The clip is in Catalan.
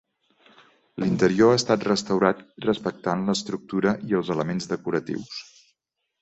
L'interior ha estat restaurat respectant l'estructura i els elements decoratius.